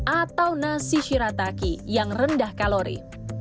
atau nasi shirataki yang rendah kalori